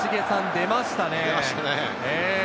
出ましたね。